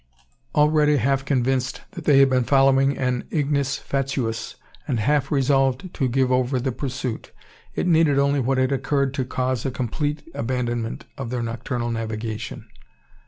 Already half convinced that they had been following an ignis fatuus, and half resolved to give over the pursuit, it needed only what had occurred to cause a complete abandonment of their nocturnal navigation.